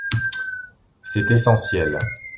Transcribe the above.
C’est essentiel.